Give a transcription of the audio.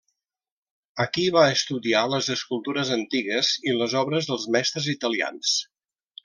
Aquí va estudiar les escultures antigues i les obres dels mestres italians.